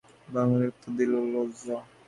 বাঙালি উত্তর দিল, লজ্জা!